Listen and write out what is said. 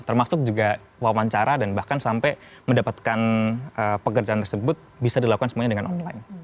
termasuk juga wawancara dan bahkan sampai mendapatkan pekerjaan tersebut bisa dilakukan semuanya dengan online